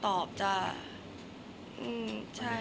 แต่ขวัญไม่สามารถสวมเขาให้แม่ขวัญได้